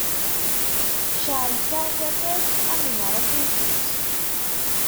Ceɛlet-aɣ tafat, ad nẓer acu ntett.